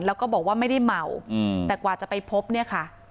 แล้วก็บอกว่าไม่ได้เมาแต่กว่าจะไปพบเนี่ยค่ะ